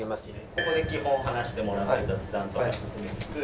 ここで基本話してもらって雑談とか進めつつ。